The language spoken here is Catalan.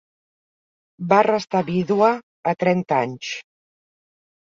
Va restar vídua a trenta anys.